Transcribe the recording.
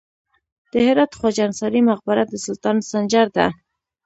د هرات خواجه انصاري مقبره د سلطان سنجر ده